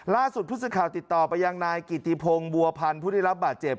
ล่าสุดผู้สื่อข่าวติดต่อไปยังนายกิติพงศ์บัวพันธ์ผู้ได้รับบาดเจ็บ